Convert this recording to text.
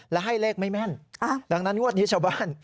และให้เลขไม่แม่นดังนั้นงวดนี้ชาวบ้าน